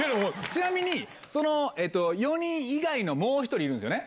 ちなみに、４人以外のもう１人いるんですよね。